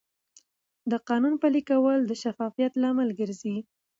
د قانون پلي کول د شفافیت لامل ګرځي.